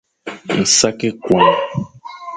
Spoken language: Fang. Nsak ekuan.